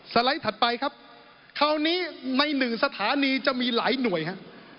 ไลด์ถัดไปครับคราวนี้ในหนึ่งสถานีจะมีหลายหน่วยครับ